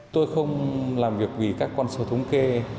tôi không làm việc vì các con số thống kê